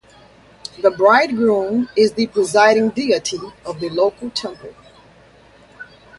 The bridegroom is the presiding deity of the local temple.